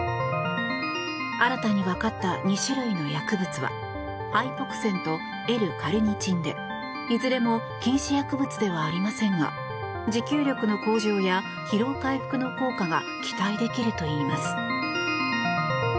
新たに分かった２種類の薬物はハイポクセンとＬ‐カルニチンで、いずれも禁止薬物ではありませんが持久力の向上や疲労回復の効果が期待できるといいます。